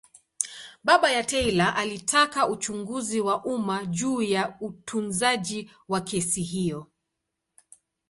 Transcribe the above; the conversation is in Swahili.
Baba ya Taylor alitaka uchunguzi wa umma juu ya utunzaji wa kesi hiyo.